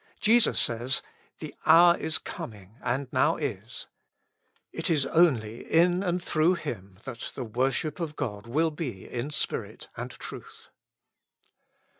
Jesus says, The hour is coming^ and now is:'''' it is only in and through Him that the worship of God will be in spirit and truth.